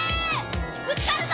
ぶつかるぞ！